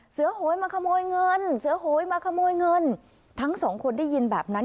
โหยมาขโมยเงินเสือโหยมาขโมยเงินทั้งสองคนได้ยินแบบนั้น